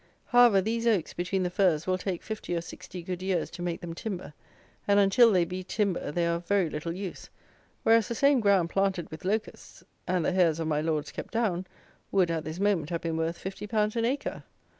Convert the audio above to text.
However, these oaks, between the firs, will take fifty or sixty good years to make them timber, and, until they be timber, they are of very little use; whereas the same ground, planted with Locusts (and the hares of "my lords" kept down), would, at this moment, have been worth fifty pounds an acre.